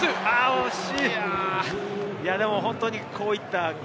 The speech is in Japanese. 惜しい！